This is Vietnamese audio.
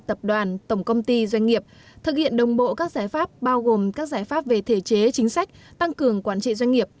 tập đoàn tổng công ty doanh nghiệp thực hiện đồng bộ các giải pháp bao gồm các giải pháp về thể chế chính sách tăng cường quản trị doanh nghiệp